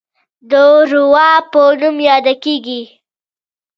د روه په نوم یادیږي.